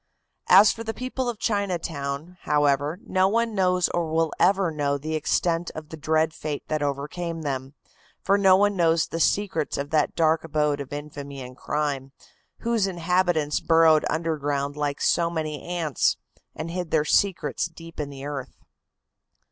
As for the people of Chinatown, however, no one knows or will ever know the extent of the dread fate that overcame them, for no one knows the secrets of that dark abode of infamy and crime, whose inhabitants burrowed underground like so many ants; and hid their secrets deep in the earth.